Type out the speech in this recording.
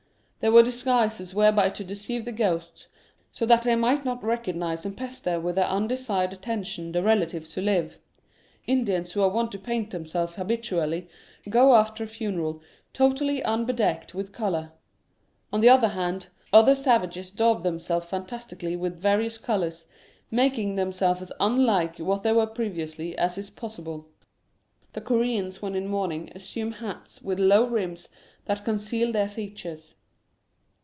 They were disguises whereby to deceive the ghosts, so that they might not recognise 12 r The Meaning of Mourning and pester with their un desired attentions the relatives who live, Indians who are wont to paint themselves habitually, go after a funeral totally un bedecked with colour. On the other hand, other savages daub themselves fantastically with various colours, making themselves as unlike what they were previously as is possible. The Core an s when in mourning assume hats with low rims that conceal their features.